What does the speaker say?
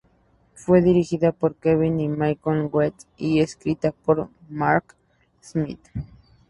Fue dirigida por Kevin y Michael Goetz y escrita por Mark L. Smith.